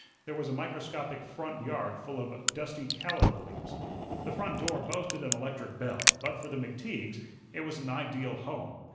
There was a microscopic front yard full of dusty calla lilies. The front door boasted an electric bell. But for the McTeagues it was an ideal home.